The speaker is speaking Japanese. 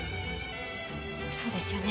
そうですよね？